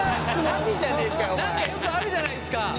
何かよくあるじゃないですか。